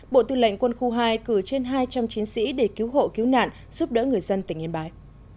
bộ tư lệnh quân khu hai cử trên hai trăm linh chiến sĩ để cứu hộ cứu nạn giúp đỡ người dân tỉnh yên bái